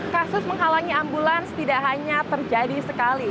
kasus menghalangi ambulans tidak hanya terjadi sekali